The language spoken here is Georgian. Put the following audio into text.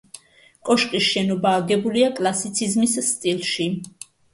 კოშკის შენობა აგებულია კლასიციზმის სტილში.